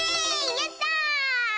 やった！